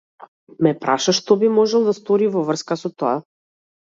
Ме праша што би можел да стори во врска со тоа.